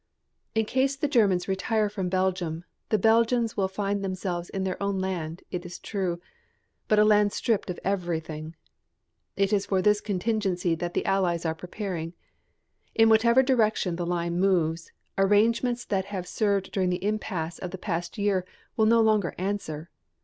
In case the Germans retire from Belgium the Belgians will find themselves in their own land, it is true, but a land stripped of everything. It is for this contingency that the Allies are preparing. In whichever direction the line moves, the arrangements that have served during the impasse of the past year will no longer answer.